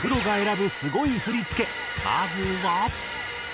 まずは。